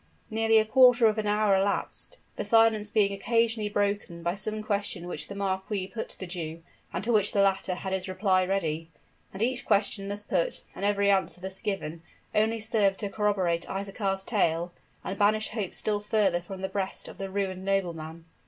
Nearly a quarter of a hour elapsed the silence being occasionally broken by some question which the marquis put to the Jew, and to which the latter had his reply ready. And each question thus put, and every answer thus given, only served to corroborate Isaachar's tale, and banish hope still further from the breast of the ruined nobleman.